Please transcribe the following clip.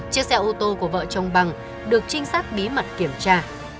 chiếc xe ô tô của vợ chồng bằng được trinh sát bí mật kiểm tra